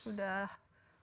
itu sudah halus